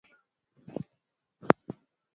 Iliweza kugawiwa na kuwa na idara mbili tofauti